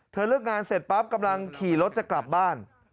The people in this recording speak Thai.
เลิกงานเสร็จปั๊บกำลังขี่รถจะกลับบ้าน